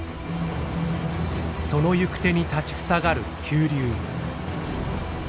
その行く手に立ちふさがる急流。